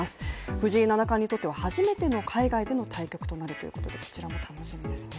藤井七冠にとっては初めての海外の対局になるということでこちらも楽しみですね。